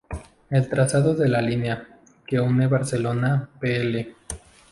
El trazado de la línea, que une Barcelona-Pl.